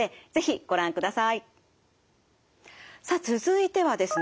さあ続いてはですね